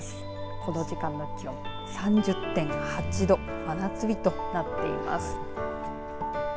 この時間の気温、３０．８度真夏日となっています。